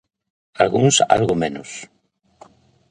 Algúns algo menos.